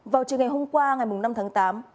vào chiều ngày hôm qua ngày năm tháng tám